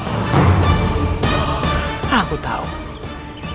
kau kesini hanya untuk menyombongkan kemenanganmu